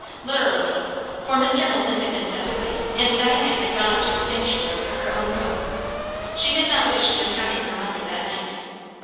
Literally; for Mr. Knowlton had been sent away, and Diana had gone up to the sanctuary of her own room. She did not wish to encounter her mother that night.